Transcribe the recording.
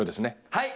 はい。